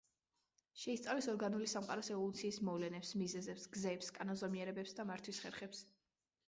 შეისწავლის ორგანული სამყაროს ევოლუციის მოვლენებს, მიზეზებს, გზებს, კანონზომიერებებს და მართვის ხერხებს.